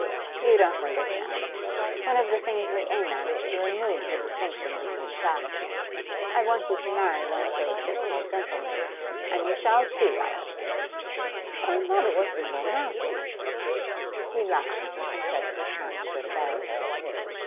'You don't understand. One of the things we aim at is to remove the distinction between classes. I want you to marry one of those they call gentlemen. And you shall too, Alice!' 'Well, but I'm not a working girl now, Dick.' He laughed, and said it was time to go to bed.